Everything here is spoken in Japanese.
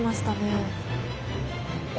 あ！